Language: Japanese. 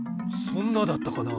そんなだったかな？